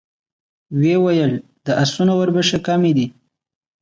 ويې ويل: د آسونو وربشې کمې دي.